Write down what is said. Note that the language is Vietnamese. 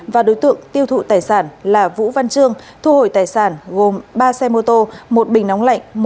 và đối tượng tiêu thụ tài sản là vũ văn trương thu hồi tài sản gồm ba xe mô tô một bình nóng lạnh